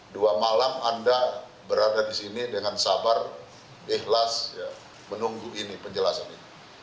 dua malam anda berada di sini dengan sabar ikhlas menunggu ini penjelasannya